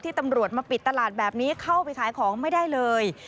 ตำรวจมาปิดตลาดแบบนี้เข้าไปขายของไม่ได้เลย